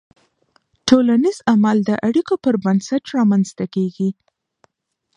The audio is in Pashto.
ټولنیز عمل د اړیکو پر بنسټ رامنځته کېږي.